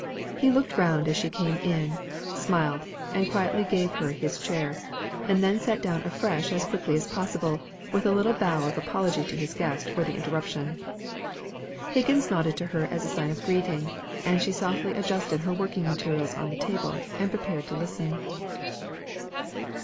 He looked round as she came in, smiled, and quietly gave her his chair, and then sat down afresh as quickly as possible, and with a little bow of apology to his guest for the interruption. Higgins nodded to her as a sign of greeting; and she softly adjusted her working materials on the table, and prepared to listen.